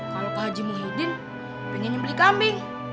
kalau pak haji muhyiddin pengennya beli kambing